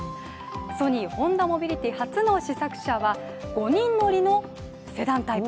ソニー・ホンダモビリティ初の試作車は５人乗りのセダンタイプ。